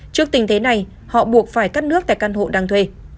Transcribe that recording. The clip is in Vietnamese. trước tình thế này họ buộc phải cắt nước tại căn hộ đang thuê